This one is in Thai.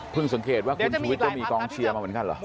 สังเกตว่าคุณชูวิทย์ก็มีกองเชียร์มาเหมือนกันเหรอ